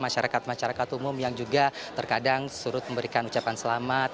masyarakat masyarakat umum yang juga terkadang surut memberikan ucapan selamat